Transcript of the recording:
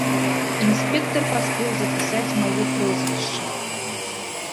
Інспектар паспеў запісаць маё прозвішча.